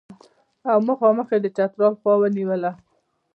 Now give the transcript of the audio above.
او مخامخ یې د چترال خوا ونیوله.